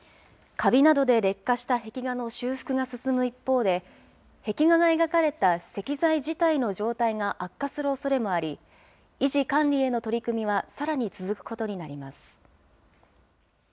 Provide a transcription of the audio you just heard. かびなどで劣化した壁画の修復が進む一方で、壁画が描かれた石材自体の状態が悪化するおそれもあり、維持・管理への取り組みはさらに続くことになります。